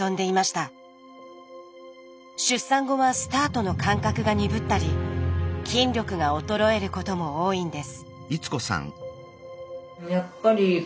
出産後はスタートの感覚がにぶったり筋力が衰えることも多いんです。